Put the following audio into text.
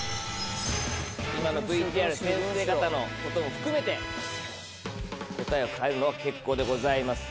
今のＶＴＲ先生方のことも含めて答えを変えるのは結構でございます。